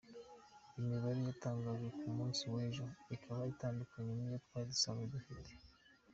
Iyi mibare yatangajwe ku munsi w’ejo ikaba itandukanye n’iyo twari dusanzwe dufite.